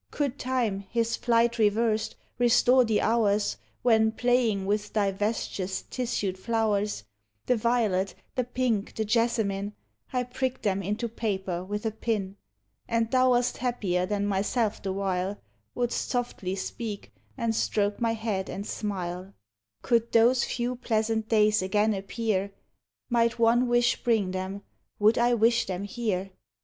Could time, his flight reversed, restore the hours When, playing with thy vesture's tissued flow ers,— The violet, the pink, the jessamine, — I pricked them into paper with a pin, (And thou wast happier than myself the while— Wouldst softly speak, and stroke my head and smile,) — Could those few pleasant days again appear, 6 S2 POEMS OF HOME. Might one wish bring them, would I wish them here?